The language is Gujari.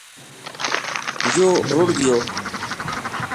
یوہ رُڑ گیو